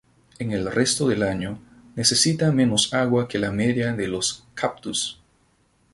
En el resto del año necesita menos agua que la media de los cactus.